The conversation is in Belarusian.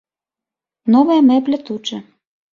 Новая мэбля тут жа.